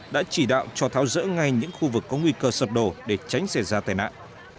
đã chỉ đạo cho tháo rỡ ngay những khu vực có nguy cơ sập đổ để tránh xảy ra tai nạn